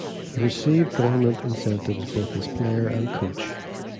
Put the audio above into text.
He received government incentives both as player and coach.